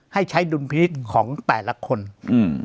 ให้ใช้ดุลพิษของแต่ละคนอืม